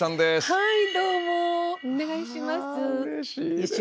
はい。